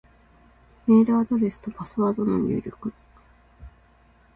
メールアドレスとパスワードの入力